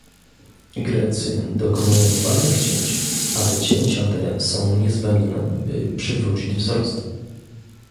Grecy dokonują ważnych cięć, ale cięcia te są niezbędne, by przywrócić wzrost